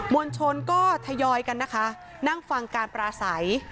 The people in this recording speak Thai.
วลชนก็ทยอยกันนะคะนั่งฟังการปราศัย